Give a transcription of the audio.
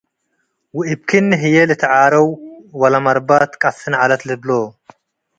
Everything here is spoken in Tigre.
እብ ክእኒ ህዬ ልትዓረው ወለመርባት ትቀስን ዐለት ልብሎ ።